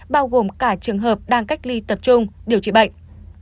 bao gồm cả trường hợp đang cách ly tập trung điều trị bệnh